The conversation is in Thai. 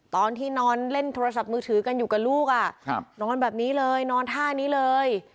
ตอนที่นอนเล่นโทรศัพท์มือถือกันอยู่กับลูกนอนแบบนี้เลยนอนท่านี้เลย